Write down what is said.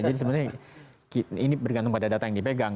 jadi sebenarnya ini bergantung pada data yang dipegang